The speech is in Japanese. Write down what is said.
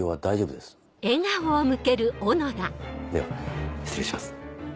では失礼します。